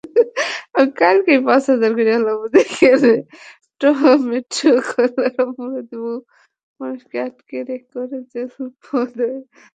Tomato খেলার অপরাধে বহু মানুষকে আটক করে জেলে পোরে শহর কর্তৃপক্ষ।